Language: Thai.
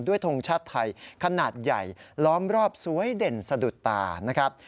ทงชาติไทยขนาดใหญ่ล้อมรอบสวยเด่นสะดุดตานะครับ